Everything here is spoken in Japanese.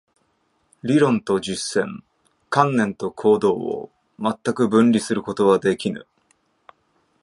理論と実践、観念と行動を全く分離することはできぬ。